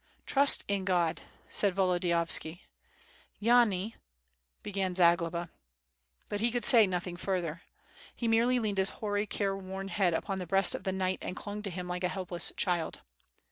..." "Trust in God!" said Volodiyovski. "Yani ..." began Zagloba. But he could say nothing further. He merely leaned his hoary, careworn head upon the breast of the knight and clung to him like a helpless child.